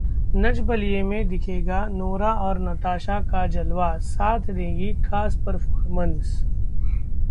नच बलिए में दिखेगा नोरा और नताशा का जलवा, साथ देंगी खास परफॉर्मेंस